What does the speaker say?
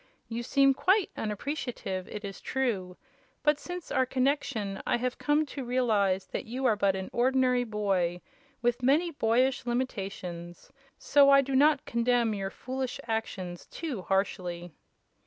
You seem quite unappreciative, it is true; but since our connection I have come to realize that you are but an ordinary boy, with many boyish limitations; so I do not condemn your foolish actions too harshly."